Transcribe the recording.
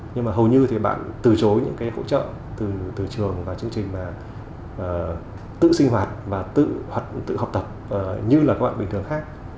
nhưng mà hầu như thì bạn từ chối những cái hỗ trợ từ trường và chương trình mà tự sinh hoạt và tự học tập như là các bạn bình thường khác